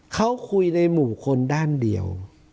เขาคุยในหมู่คนด้านเดียว